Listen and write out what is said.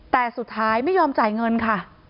แต่สุดท้ายไม่ยอมจ่ายเงินค่ะ